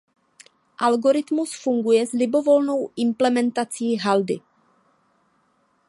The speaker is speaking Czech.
Algoritmus funguje s libovolnou implementací haldy.